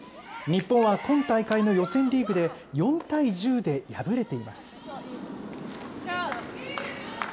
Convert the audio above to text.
日本は今大会の予選リーグで、４対１０で敗れています。